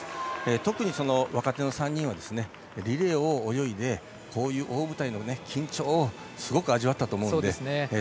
特に若手の３人はリレーを泳いでこういう大舞台の緊張をすごく味わったと思うんですよ。